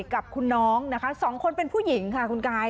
กับคุณน้องนะคะสองคนเป็นผู้หญิงค่ะคุณกาย